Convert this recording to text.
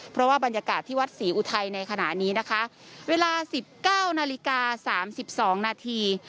เพราะว่าบรรยากาศที่วัดศรีอุทัยในขณะนี้นะคะเวลาสิบเก้านาฬิกาสามสิบสองนาที